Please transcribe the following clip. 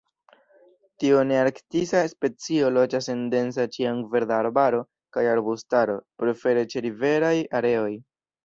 Tiu nearktisa specio loĝas en densa ĉiamverda arbaro kaj arbustaro, prefere ĉeriveraj areoj.